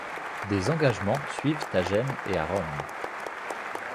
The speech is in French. Des engagements suivent à Gênes et à Rome.